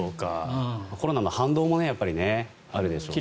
コロナの反動もあるでしょうしね。